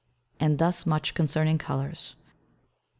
And thus much concerning Colours.